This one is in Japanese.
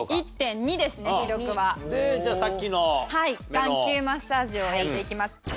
眼球マッサージをやっていきます。